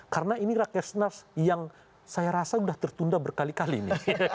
karena ini raker nas yang saya rasa sudah tertunda berkali kali ini